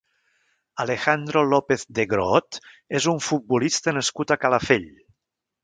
Alejandro López de Groot és un futbolista nascut a Calafell.